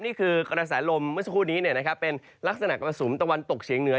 นี่คือกระแสลมเมื่อสักครู่นี้เป็นลักษณะมรสุมตะวันตกเฉียงเหนือ